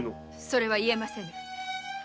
それは言えませぬ。